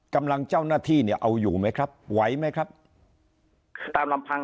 กำลังเจ้าหน้าที่เนี่ยเอาอยู่ไหมครับไหวไหมครับคือตามลำพัง